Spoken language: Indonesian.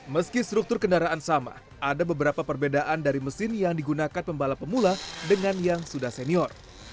meski struktur kendaraan sama ada beberapa perbedaan dari mesin yang digunakan pembalap pemula dengan yang sudah senior